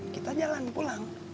kita jalan pulang